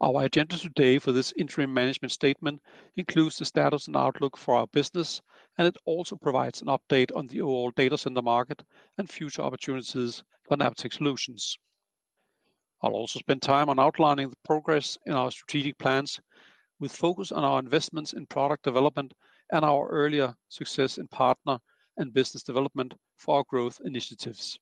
Our agenda today for this interim management statement includes the status and outlook for our business, and it also provides an update on the overall data center market and future opportunities for Napatech. I'll also spend time on outlining the progress in our strategic plans, with focus on our investments in product development and our earlier success in partner and business development for our growth initiatives.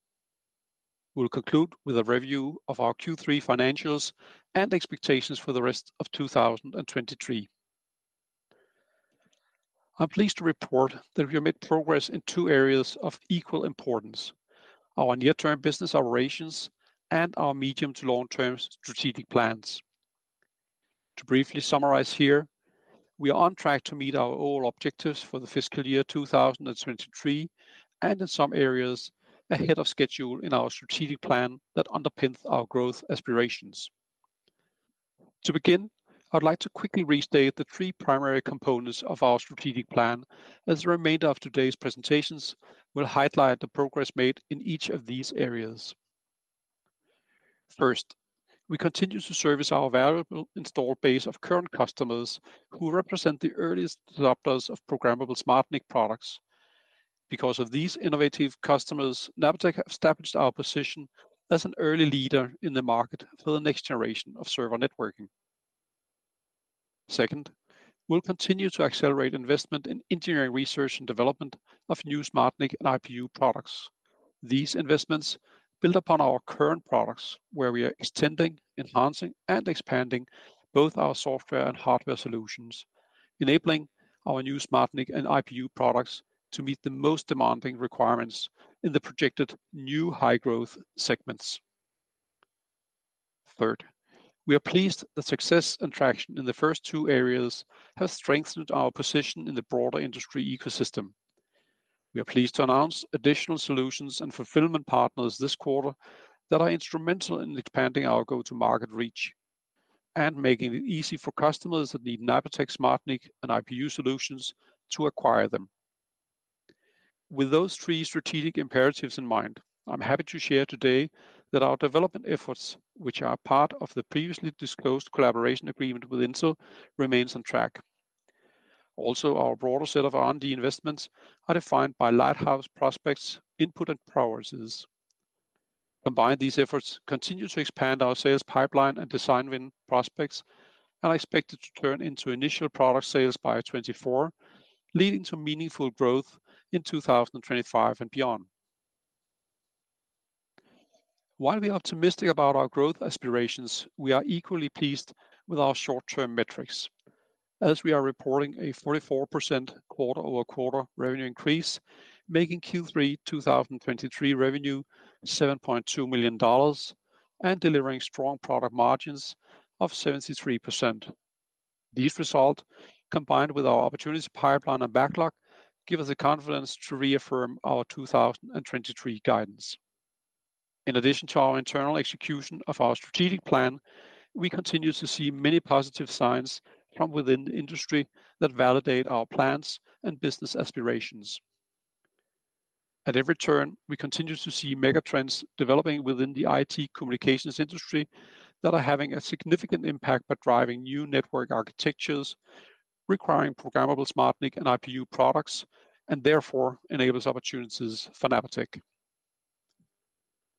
We'll conclude with a review of our Q3 financials and expectations for the rest of 2023. I'm pleased to report that we have made progress in two areas of equal importance: our near-term business operations and our medium to long-term strategic plans. To briefly summarize here, we are on track to meet our overall objectives for the fiscal year 2023, and in some areas, ahead of schedule in our strategic plan that underpins our growth aspirations. To begin, I'd like to quickly restate the three primary components of our strategic plan, as the remainder of today's presentations will highlight the progress made in each of these areas. First, we continue to service our valuable installed base of current customers, who represent the earliest adopters of programmable SmartNIC products. Because of these innovative customers, Napatech established our position as an early leader in the market for the next generation of server networking. Second, we'll continue to accelerate investment in engineering, research, and development of new SmartNIC and IPU products. These investments build upon our current products, where we are extending, enhancing, and expanding both our software and hardware solutions, enabling our new SmartNIC and IPU products to meet the most demanding requirements in the projected new high-growth segments. Third, we are pleased the success and traction in the first two areas have strengthened our position in the broader industry ecosystem. We are pleased to announce additional solutions and fulfillment partners this quarter that are instrumental in expanding our go-to-market reach and making it easy for customers that need Napatech SmartNIC and IPU solutions to acquire them. With those three strategic imperatives in mind, I'm happy to share today that our development efforts, which are part of the previously disclosed collaboration agreement with Intel, remains on track. Also, our broader set of R&D investments are defined by lighthouse prospects, input, and progresses. Combined, these efforts continue to expand our sales pipeline and design win prospects, and are expected to turn into initial product sales by 2024, leading to meaningful growth in 2025 and beyond. While we are optimistic about our growth aspirations, we are equally pleased with our short-term metrics, as we are reporting a 44% quarter-over-quarter revenue increase, making Q3 2023 revenue $7.2 million and delivering strong product margins of 73%. These results, combined with our opportunity pipeline and backlog, give us the confidence to reaffirm our 2023 guidance. In addition to our internal execution of our strategic plan, we continue to see many positive signs from within the industry that validate our plans and business aspirations. At every turn, we continue to see megatrends developing within the IT communications industry that are having a significant impact by driving new network architectures, requiring programmable SmartNIC and IPU products, and therefore enables opportunities for Napatech.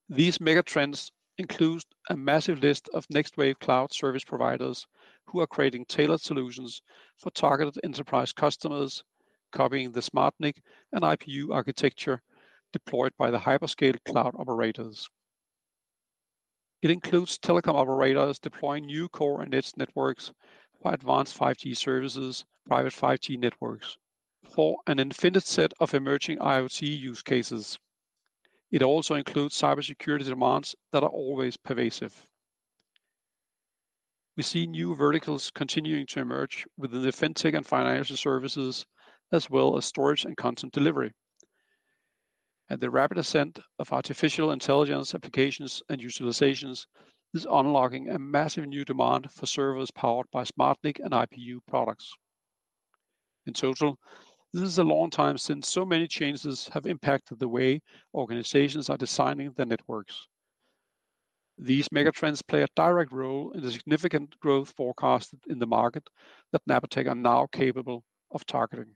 These megatrends includes a massive list of next wave cloud service providers, who are creating tailored solutions for targeted enterprise customers, copying the SmartNIC and IPU architecture deployed by the hyperscale cloud operators. It includes telecom operators deploying new core and edge networks by advanced 5G services, private 5G networks for an infinite set of emerging IoT use cases. It also includes cybersecurity demands that are always pervasive. We see new verticals continuing to emerge within the fintech and financial services, as well as storage and content delivery. The rapid ascent of artificial intelligence applications and utilizations is unlocking a massive new demand for servers powered by SmartNIC and IPU products. In total, this is a long time since so many changes have impacted the way organizations are designing their networks. These megatrends play a direct role in the significant growth forecasted in the market that Napatech are now capable of targeting.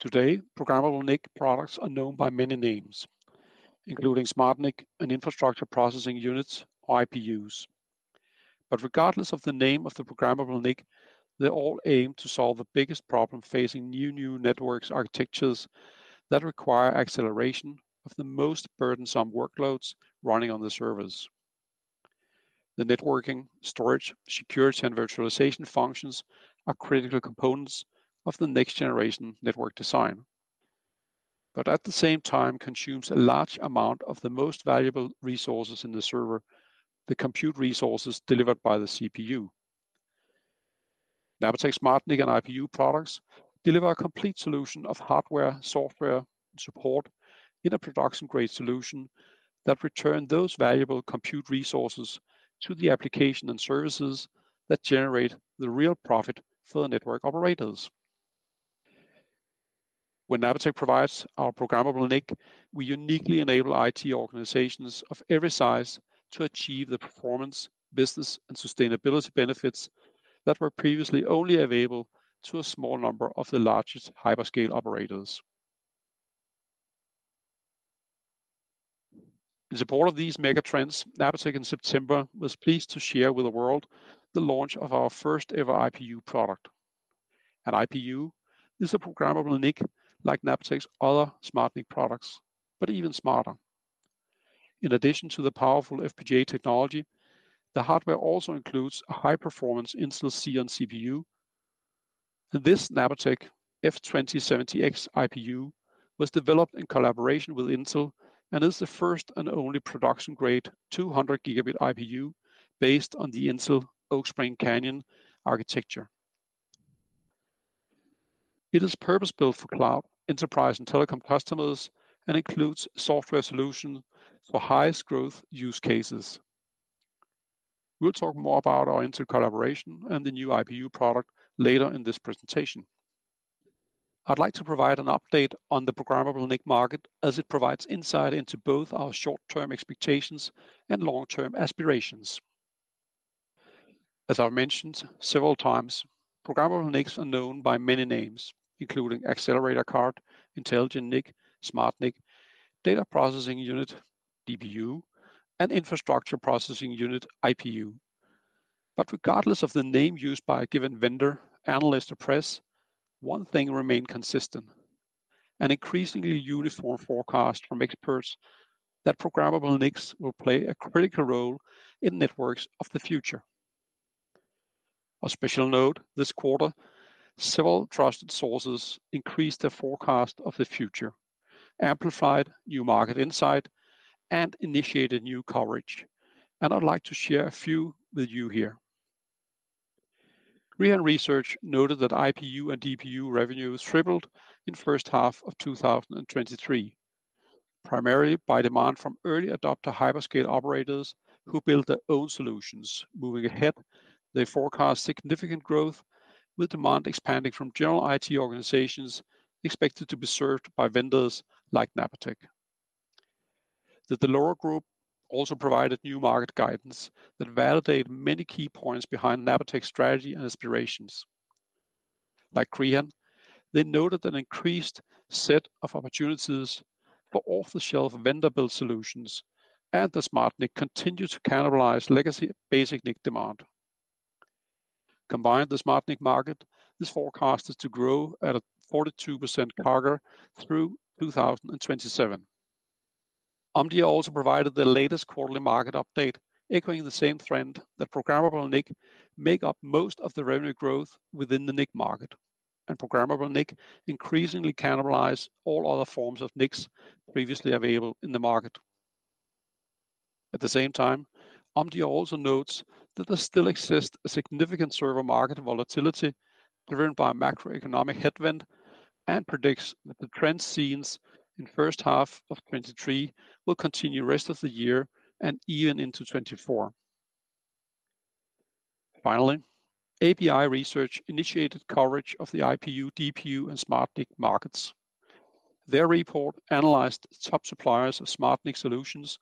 Today, programmable NIC products are known by many names, including SmartNIC and Infrastructure Processing Units or IPUs. But regardless of the name of the programmable NIC, they all aim to solve the biggest problem facing new network architectures that require acceleration of the most burdensome workloads running on the servers. The networking, storage, security, and virtualization functions are critical components of the next-generation network design, but at the same time consumes a large amount of the most valuable resources in the server, the compute resources delivered by the CPU. Napatech SmartNIC and IPU products deliver a complete solution of hardware, software, support in a production-grade solution that return those valuable compute resources to the application and services that generate the real profit for the network operators... When Napatech provides our programmable NIC, we uniquely enable IT organizations of every size to achieve the performance, business, and sustainability benefits that were previously only available to a small number of the largest hyperscale operators. In support of these megatrends, Napatech in September was pleased to share with the world the launch of our first-ever IPU product. An IPU is a programmable NIC like Napatech's other SmartNIC products, but even smarter. In addition to the powerful FPGA technology, the hardware also includes a high-performance Intel Xeon CPU, and this Napatech F2070X IPU was developed in collaboration with Intel and is the first and only production-grade 200 Gigabit IPU based on the Intel Oak Springs Canyon architecture. It is purpose-built for cloud, enterprise, and telecom customers and includes software solution for highest growth use cases. We'll talk more about our Intel collaboration and the new IPU product later in this presentation. I'd like to provide an update on the programmable NIC market as it provides insight into both our short-term expectations and long-term aspirations. As I've mentioned several times, programmable NICs are known by many names, including accelerator card, intelligent NIC, SmartNIC, Data Processing Unit, DPU, and Infrastructure Processing Unit, IPU. But regardless of the name used by a given vendor, analyst, or press, one thing remained consistent: an increasingly uniform forecast from experts that programmable NICs will play a critical role in networks of the future. A special note, this quarter, several trusted sources increased their forecast of the future, amplified new market insight, and initiated new coverage, and I'd like to share a few with you here. Crehan Research noted that IPU and DPU revenue tripled in first half of 2023, primarily by demand from early adopter hyperscale operators who built their own solutions. Moving ahead, they forecast significant growth, with demand expanding from general IT organizations expected to be served by vendors like Napatech. The Dell'Oro Group also provided new market guidance that validate many key points behind Napatech's strategy and aspirations. Like Crehan, they noted an increased set of opportunities for off-the-shelf vendor-built solutions, and the SmartNIC continue to cannibalize legacy basic NIC demand. Combined, the SmartNIC market is forecasted to grow at a 42% CAGR through 2027. Omdia also provided the latest quarterly market update, echoing the same trend that programmable NIC make up most of the revenue growth within the NIC market, and programmable NIC increasingly cannibalize all other forms of NICs previously available in the market. At the same time, Omdia also notes that there still exists a significant server market volatility driven by macroeconomic headwind, and predicts that the trends seen in first half of 2023 will continue rest of the year and even into 2024. Finally, ABI Research initiated coverage of the IPU, DPU, and SmartNIC markets. Their report analyzed top suppliers of SmartNIC solutions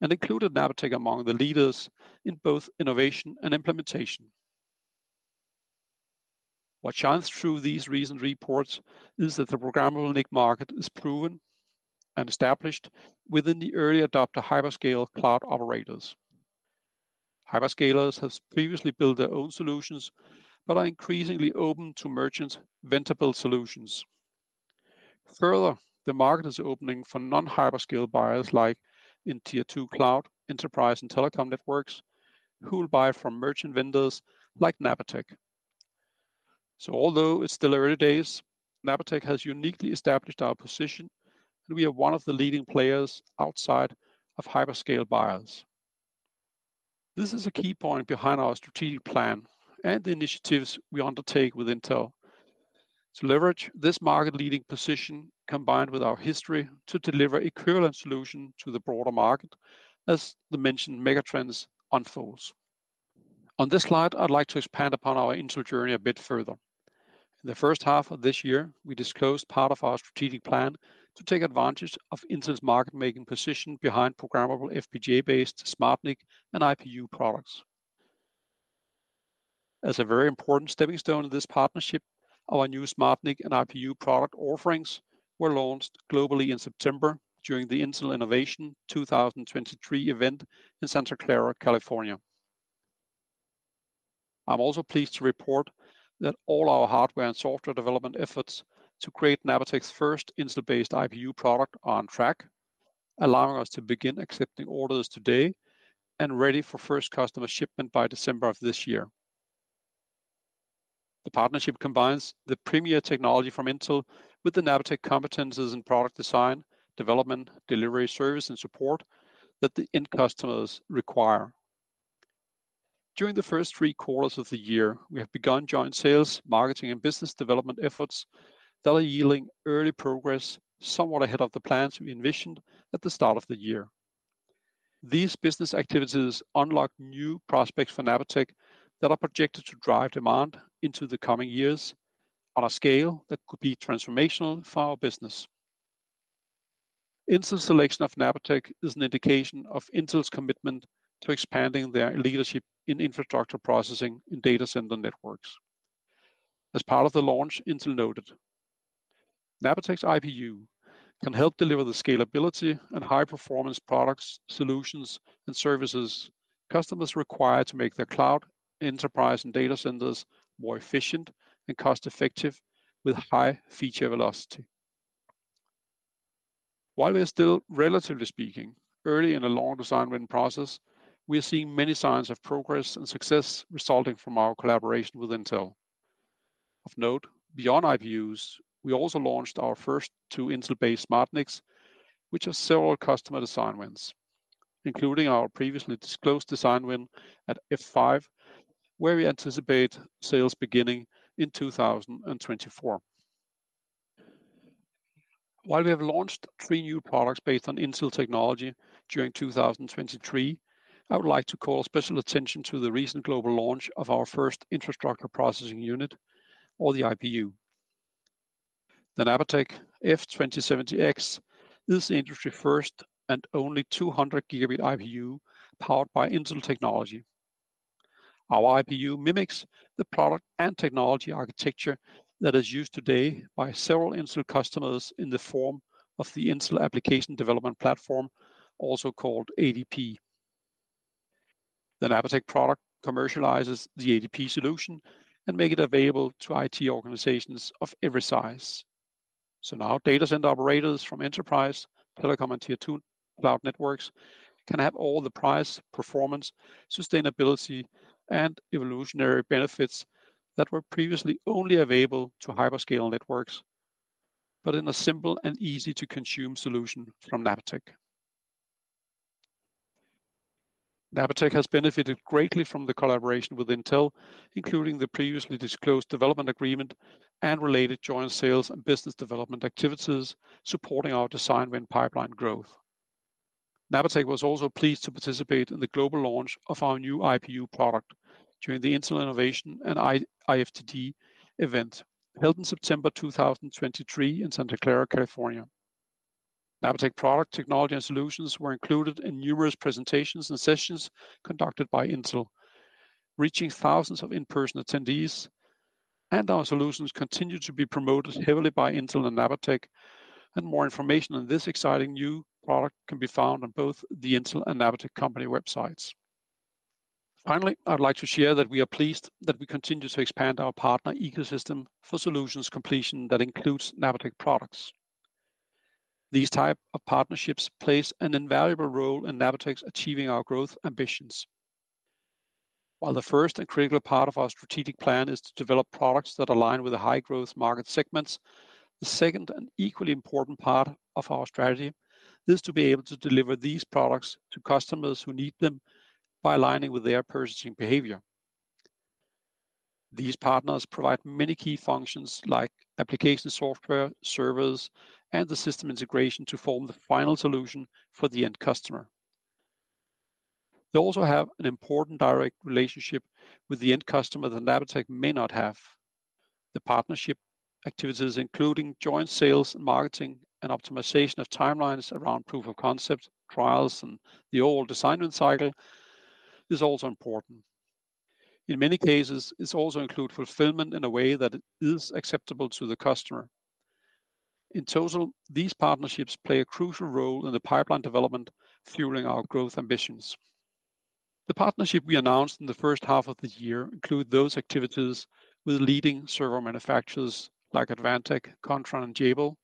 and included Napatech among the leaders in both innovation and implementation. What shines through these recent reports is that the programmable NIC market is proven and established within the early adopter hyperscale cloud operators. Hyperscalers have previously built their own solutions, but are increasingly open to merchant-vendor-built solutions. Further, the market is opening for non-hyperscale buyers like in Tier Two cloud, enterprise, and telecom networks, who will buy from merchant vendors like Napatech. So although it's still early days, Napatech has uniquely established our position, and we are one of the leading players outside of hyperscale buyers. This is a key point behind our strategic plan and the initiatives we undertake with Intel. To leverage this market-leading position, combined with our history, to deliver equivalent solution to the broader market as the mentioned megatrends unfolds. On this slide, I'd like to expand upon our Intel journey a bit further. In the first half of this year, we disclosed part of our strategic plan to take advantage of Intel's market-making position behind programmable FPGA-based SmartNIC and IPU products. As a very important stepping stone in this partnership, our new SmartNIC and IPU product offerings were launched globally in September during the Intel Innovation 2023 event in Santa Clara, California. I'm also pleased to report that all our hardware and software development efforts to create Napatech's first Intel-based IPU product are on track, allowing us to begin accepting orders today and ready for first customer shipment by December of this year. The partnership combines the premier technology from Intel with the Napatech competencies in product design, development, delivery, service, and support that the end customers require. During the first three quarters of the year, we have begun joint sales, marketing, and business development efforts that are yielding early progress, somewhat ahead of the plans we envisioned at the start of the year.... These business activities unlock new prospects for Napatech that are projected to drive demand into the coming years on a scale that could be transformational for our business. Intel's selection of Napatech is an indication of Intel's commitment to expanding their leadership in infrastructure processing in data center networks. As part of the launch, Intel noted, Napatech's IPU can help deliver the scalability and high-performance products, solutions, and services customers require to make their cloud, enterprise, and data centers more efficient and cost-effective, with high feature velocity. While we are still, relatively speaking, early in the long design win process, we are seeing many signs of progress and success resulting from our collaboration with Intel. Of note, beyond IPUs, we also launched our first two Intel-based SmartNICs, which have several customer design wins, including our previously disclosed design win at F5, where we anticipate sales beginning in 2024. While we have launched three new products based on Intel technology during 2023, I would like to call special attention to the recent global launch of our first infrastructure processing unit, or the IPU. The Napatech F2070X is the industry first and only 200GbE IPU, powered by Intel technology. Our IPU mimics the product and technology architecture that is used today by several Intel customers in the form of the Intel Application Development Platform, also called ADP. The Napatech product commercializes the ADP solution and make it available to IT organizations of every size. So now, data center operators from enterprise, telecom, and Tier Two cloud networks can have all the price, performance, sustainability, and evolutionary benefits that were previously only available to hyperscale networks, but in a simple and easy-to-consume solution from Napatech. Napatech has benefited greatly from the collaboration with Intel, including the previously disclosed development agreement and related joint sales and business development activities, supporting our design win pipeline growth. Napatech was also pleased to participate in the global launch of our new IPU product during the Intel Innovation event, held in September 2023 in Santa Clara, California. Napatech product technology and solutions were included in numerous presentations and sessions conducted by Intel, reaching thousands of in-person attendees, and our solutions continue to be promoted heavily by Intel and Napatech. More information on this exciting new product can be found on both the Intel and Napatech company websites. Finally, I would like to share that we are pleased that we continue to expand our partner ecosystem for solutions completion that includes Napatech products. These type of partnerships plays an invaluable role in Napatech's achieving our growth ambitions. While the first and critical part of our strategic plan is to develop products that align with the high-growth market segments, the second and equally important part of our strategy is to be able to deliver these products to customers who need them by aligning with their purchasing behavior. These partners provide many key functions, like application software, servers, and the system integration to form the final solution for the end customer. They also have an important direct relationship with the end customer that Napatech may not have. The partnership activities, including joint sales and marketing and optimization of timelines around proof of concept, trials, and the old design win cycle, is also important. In many cases, this also include fulfillment in a way that is acceptable to the customer. In total, these partnerships play a crucial role in the pipeline development, fueling our growth ambitions. The partnership we announced in the first half of the year include those activities with leading server manufacturers like Advantech, Kontron, and Jabil.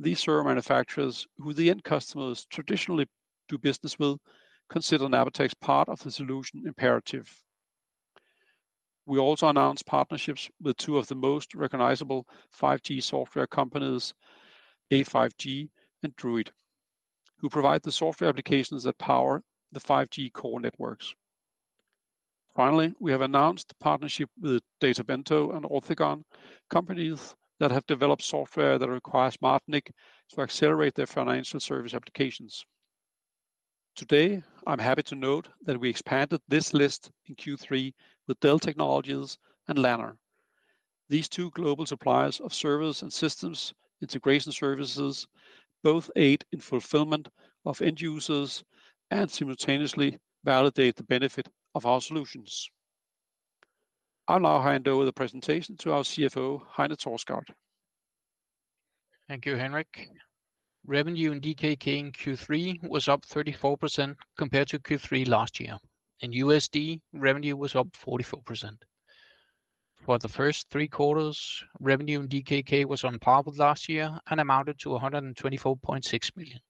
These server manufacturers, who the end customers traditionally do business with, consider Napatech's part of the solution imperative. We also announced partnerships with two of the most recognizable 5G software companies, A5G and Druid, who provide the software applications that power the 5G core networks. Finally, we have announced a partnership with Databento and Orthogone, companies that have developed software that require SmartNIC to accelerate their financial service applications. Today, I'm happy to note that we expanded this list in Q3 with Dell Technologies and Lanner. These two global suppliers of servers and systems integration services both aid in fulfillment of end users and simultaneously validate the benefit of our solutions. I'll now hand over the presentation to our CFO, Heine Thorsgaard. Thank you, Henrik. Revenue in DKK in Q3 was up 34% compared to Q3 last year. In USD, revenue was up 44%. For the first three quarters, revenue in DKK was on par with last year and amounted to 124.6 million.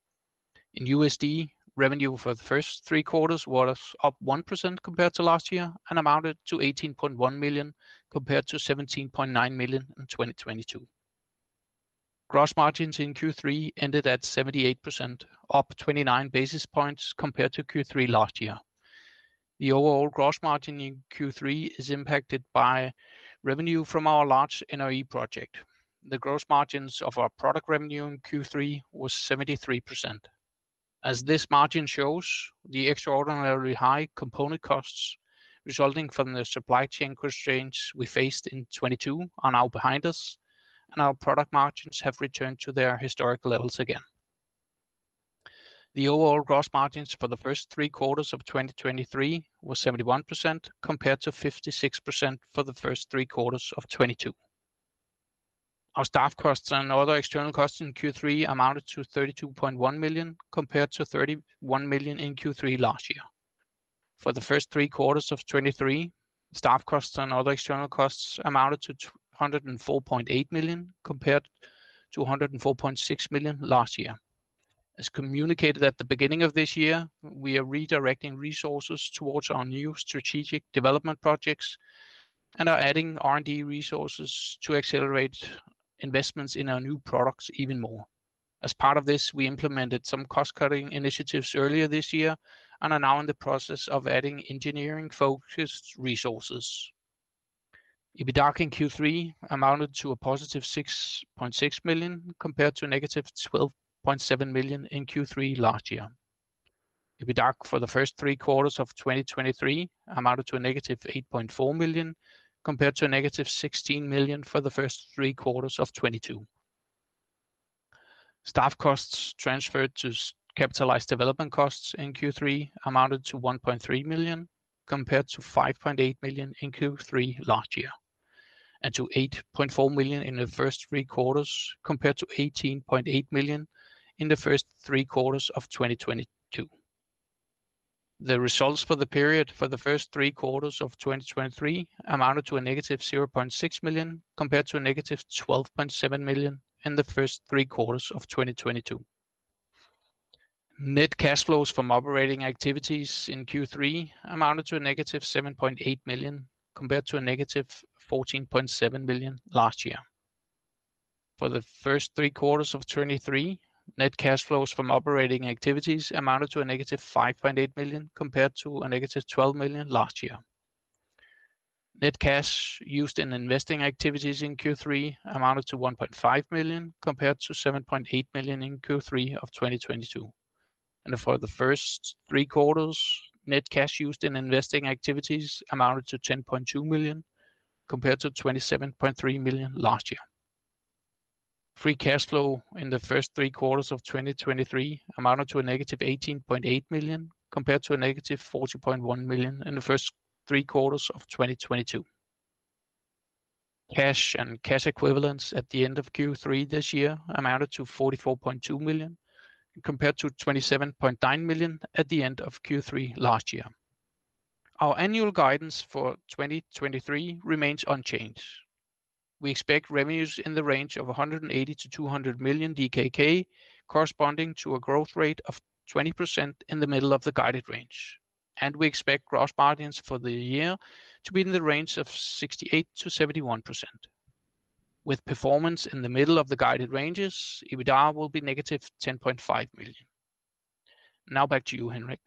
In USD, revenue for the first three quarters was up 1% compared to last year and amounted to $18.1 million, compared to $17.9 million in 2022. Gross margins in Q3 ended at 78%, up 29 basis points compared to Q3 last year. The overall gross margin in Q3 is impacted by revenue from our large NRE project. The gross margins of our product revenue in Q3 was 73%. As this margin shows, the extraordinarily high component costs resulting from the supply chain constraints we faced in 2022 are now behind us, and our product margins have returned to their historic levels again. The overall gross margins for the first three quarters of 2023 was 71%, compared to 56% for the first three quarters of 2022. Our staff costs and other external costs in Q3 amounted to 32.1 million, compared to 31 million in Q3 last year. For the first three quarters of 2023, staff costs and other external costs amounted to 204.8 million, compared to 104.6 million last year. As communicated at the beginning of this year, we are redirecting resources towards our new strategic development projects and are adding R&D resources to accelerate investments in our new products even more. As part of this, we implemented some cost-cutting initiatives earlier this year and are now in the process of adding engineering-focused resources. EBITDA in Q3 amounted to a +6.6 million, compared to a -12.7 million in Q3 last year. EBITDA for the first three quarters of 2023 amounted to a -8.4 million, compared to a -16 million for the first three quarters of 2022. Staff costs transferred to capitalized development costs in Q3 amounted to 1.3 million, compared to 5.8 million in Q3 last year, and to 8.4 million in the first three quarters, compared to 18.8 million in the first three quarters of 2022. The results for the period for the first three quarters of 2023 amounted to -0.6 million, compared to -12.7 million in the first three quarters of 2022. Net cash flows from operating activities in Q3 amounted to -7.8 million, compared to -14.7 million last year. For the first three quarters of 2023, net cash flows from operating activities amounted to -5.8 million, compared to -12 million last year. Net cash used in investing activities in Q3 amounted to 1.5 million, compared to 7.8 million in Q3 of 2022. For the first three quarters, net cash used in investing activities amounted to 10.2 million, compared to 27.3 million last year. Free cash flow in the first three quarters of 2023 amounted to -18.8 million, compared to -40.1 million in the first three quarters of 2022. Cash and cash equivalents at the end of Q3 this year amounted to 44.2 million, compared to 27.9 million at the end of Q3 last year. Our annual guidance for 2023 remains unchanged. We expect revenues in the range of 180 million-200 million DKK, corresponding to a growth rate of 20% in the middle of the guided range. We expect gross margins for the year to be in the range of 68%-71%. With performance in the middle of the guided ranges, EBITDA will be -10.5 million. Now back to you, Henrik.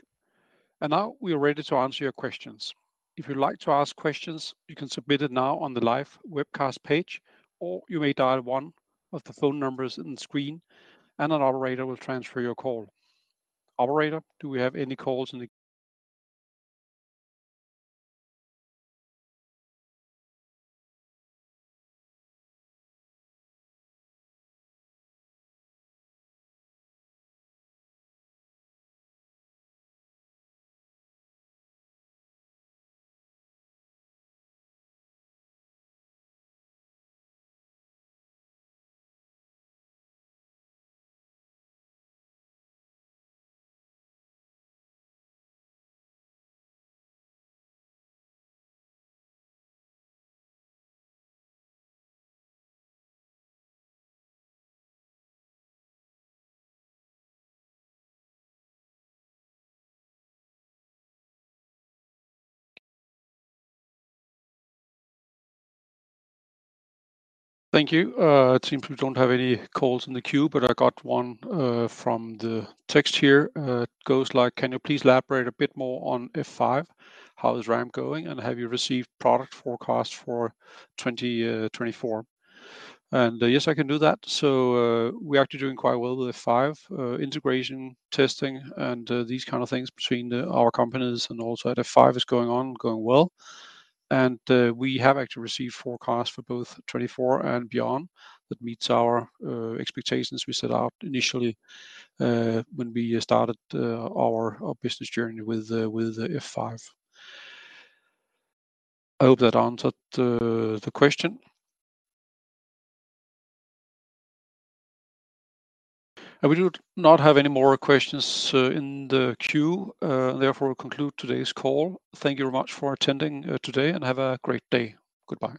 Now we are ready to answer your questions. If you'd like to ask questions, you can submit it now on the live webcast page, or you may dial one of the phone numbers on the screen, and an operator will transfer your call. Operator, do we have any calls in the— Thank you. It seems we don't have any calls in the queue, but I got one from the text here. It goes like, can you please elaborate a bit more on F5? How is ramp going, and have you received product forecast for 2024? Yes, I can do that. So, we're actually doing quite well with F5. Integration, testing, and these kind of things between the our companies and also at F5 is going on, going well. And we have actually received forecasts for both 2024 and beyond that meets our expectations we set out initially, when we started our business journey with F5. I hope that answered the question. And we do not have any more questions in the queue, therefore conclude today's call. Thank you very much for attending today, and have a great day. Goodbye.